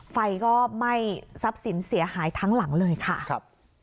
ไฟก็ไม่ซับสินเสียหายทั้งหลังเลยค่ะ